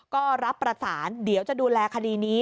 ก็รับประสานเดี๋ยวจะดูแลคดีนี้